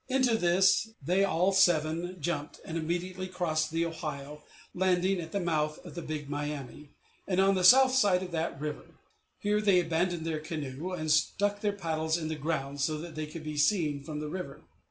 Into this they all seven jumped, and immediately crossed the Ohio, landing at the mouth of the Big Miami, and on the south side of that river. Here they abandoned their canoe, and stuck their paddles in the ground, so that they could be seen from the river.